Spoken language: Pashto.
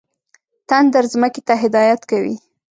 تندر ځمکې ته هدایت کوي.